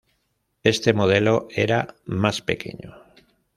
Este modelo era más pequeño.